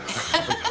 ハハハ！